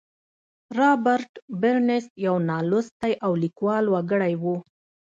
رابرټ برنس يو نالوستی او کليوال وګړی و.